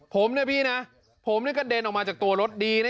ผมนะพี่นะผมนี่กระเด็นออกมาจากตัวรถดีนะ